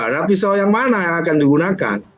nah pisau yang mana yang akan digunakan